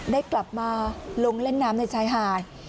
ได้กลับมาลงเล่นน้ำในชายหาด